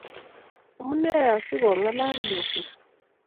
Amunee asikong'alal moseet?